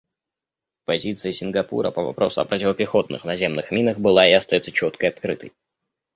Позиция Сингапура по вопросу о противопехотных наземных минах была и остается четкой и открытой.